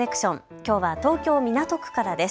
きょうは東京港区からです。